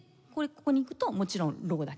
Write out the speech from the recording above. ここに行くともちろんローだけ。